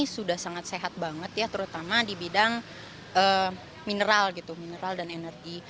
sudah sangat sehat banget ya terutama di bidang mineral gitu mineral dan energi